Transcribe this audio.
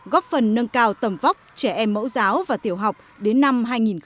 góp phần nâng cao tầm vóc trẻ em mẫu giáo và tiểu học đến năm hai nghìn hai mươi